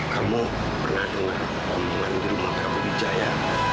kamu pernah dengar omongan diri prabu wijaya